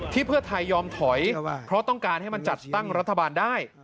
เพื่อไทยยอมถอยเพราะต้องการให้มันจัดตั้งรัฐบาลได้